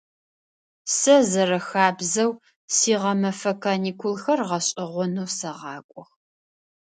Сэ зэрэхабзэу сигъэмэфэ каникулхэр гъэшӏэгъонэу сэгъакӏох.